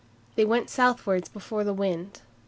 They went southwards before the wind.